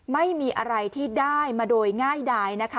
ไม่มีอะไรที่ได้มาโดยง่ายดายนะคะ